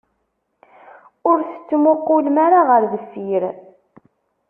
Ur tettmuqqulem ara ɣer deffir.